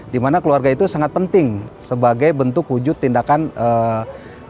di mana keluarga itu sangat penting sebagai bentuk wujud tindakan umum